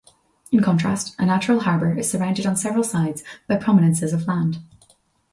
In contrast, a natural harbor is surrounded on several sides by prominences of land.